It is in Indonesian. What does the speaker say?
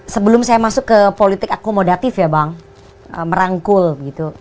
sebelum saya masuk ke politik akomodatif ya bang merangkul gitu